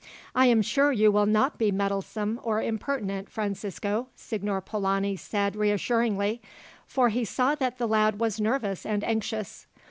"I am sure you will not be meddlesome or impertinent, Francisco," Signor Polani said reassuringly, for he saw that the lad was nervous and anxious.